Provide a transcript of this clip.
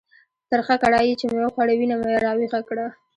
ترخه کړایي چې مې وخوړه، وینه مې را ویښه کړه.